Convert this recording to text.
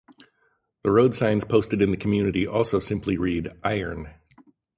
The road signs posted in the community also simply read "Iron".